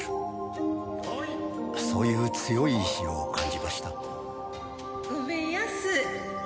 そういう強い意志を感じました。